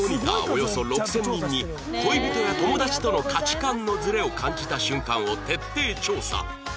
およそ６０００人に恋人や友達との価値観のズレを感じた瞬間を徹底調査